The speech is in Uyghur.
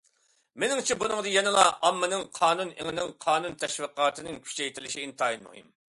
مېنىڭچە، بۇنىڭدا يەنىلا ئاممىنىڭ قانۇن ئېڭىنىڭ، قانۇن تەشۋىقاتىنىڭ كۈچەيتىلىشى ئىنتايىن مۇھىم.